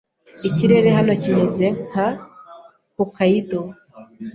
Ikirere hano kimeze nka Hokkaido.